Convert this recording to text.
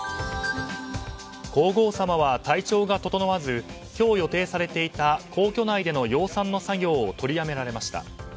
皇后さまは体調が整わず今日、予定されていた皇居内での養蚕の作業を取りやめられました。